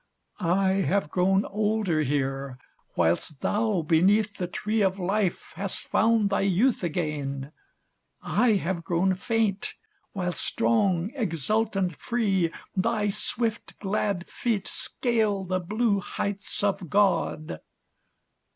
I have grown older here, whilst thou beneath The tree of life hast found thy youth again ; AFTER LONG WAITING 47 I I have grown faint, while strong, exultant, free, Thy swift, glad feet scale the blue heights of God.